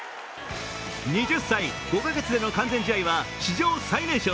２０歳５か月での完全試合は史上最年少。